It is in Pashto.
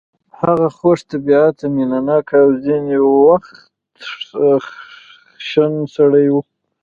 هغه خوش طبیعته مینه ناک او ځینې وخت خشن سړی و